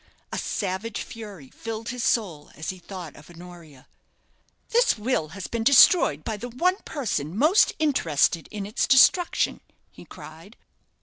A savage fury filled his soul as he thought of Honoria. "This will has been destroyed by the one person most interested in its destruction," he cried.